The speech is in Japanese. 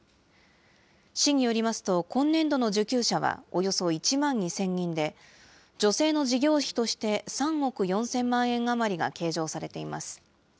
市によりますと、今年度の受給者はおよそ１万２０００人で、助成の事業費として３億４０００万円余りが計上されています。